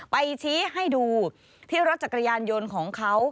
ชี้ให้ดูที่รถจักรยานยนต์ของเขา